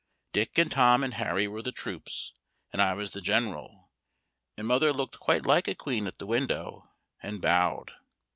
Dick and Tom and Harry were the troops, and I was the General, and Mother looked quite like a Queen at the window, and bowed.